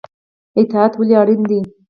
اطاعت ولې اړین دی؟